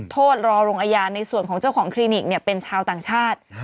โทษรอลงอาญาในส่วนของเจ้าของคลินิกเป็นชาวต่างชาติ